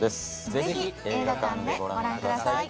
ぜひ映画館でご覧ください。